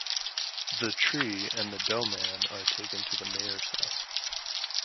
The tree and the dough-man are taken to the mayor's house.